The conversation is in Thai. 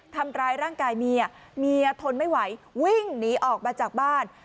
ทำร้ายร่างกายเมียเมียทนไม่ไหววิ่งหนีออกมาจากบ้าน